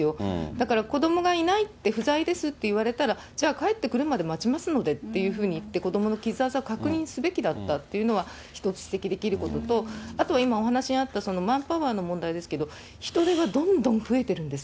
だから子どもがいないって、不在ですって言われたら、じゃあ、帰ってくるまで待ちますのでっていうふうに言って、子どもの傷あざを確認すべきだったっていうのが、一つできることと、あとは今お話のあったマンパワーの問題ですけれども、人手がどんどん増えてるんです。